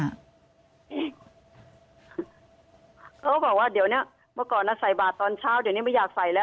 เขาก็บอกว่าเดี๋ยวนี้เมื่อก่อนใส่บาทตอนเช้าเดี๋ยวนี้ไม่อยากใส่แล้ว